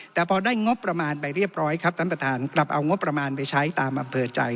แต่พอได้งบประมาณไปเรียบร้อยครับท่านประธานกลับเอางบประมาณไปใช้ตามอำเภอใจ